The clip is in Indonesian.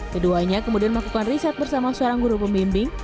keduanya kemudian melakukan riset bersama seorang guru pembimbing